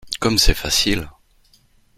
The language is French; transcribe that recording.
Comme c’est facile !…